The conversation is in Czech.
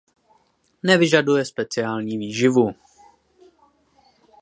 Nevyžaduje speciální výživu.